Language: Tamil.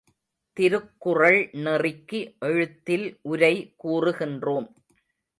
திருக்குறள் நெறிக்கு எழுத்தில் உரை கூறுகின்றோம்.